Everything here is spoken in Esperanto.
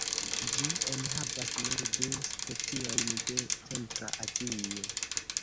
Ĝi enhavas nur du speciojn de centra Azio.